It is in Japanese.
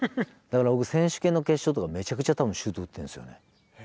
だから僕選手権の決勝とかめちゃくちゃ多分シュート打ってるんですよね。